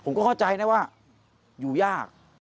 เข้าใจนะว่าอยู่ยาก